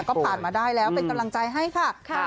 ก็ผ่านมาได้แล้วเป็นกำลังใจให้ค่ะ